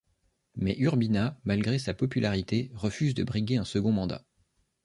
Mais Urbina, malgré sa popularité, refuse de briguer un second mandat.